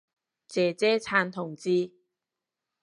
姐姐撐同志